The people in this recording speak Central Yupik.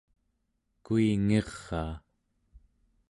kuingiraa